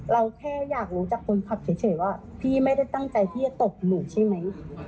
เราแค่อยากรู้จากคนขับเฉยว่าพี่ไม่ได้ตั้งใจที่จะตบหนูใช่ไหม